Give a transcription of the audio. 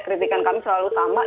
kritikan kami selalu sama